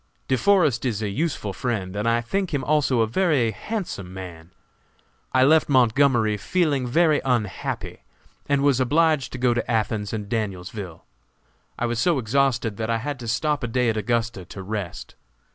De Forest is a useful friend, and I think him also a very handsome man. I left Montgomery, feeling very unhappy, and was obliged to go to Athens and Danielsville. I was so exhausted that I had to stop a day at Augusta to rest.